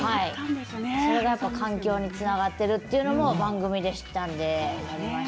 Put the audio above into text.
それが環境につながってるっていうのも番組で知ったんで。